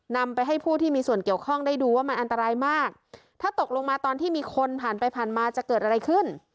นำไปให้ผู้ที่มีส่วนเกี่ยวข้องได้ดูว่ามันอันตรายมากถ้าตกลงมาตอนที่มีคนผ่านไปผ่านมาจะเกิดอะไรขึ้น